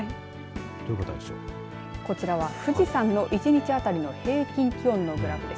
こちらは富士山の１日あたりの平均気温のグラフです。